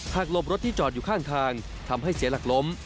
หลบรถที่จอดอยู่ข้างทางทำให้เสียหลักล้ม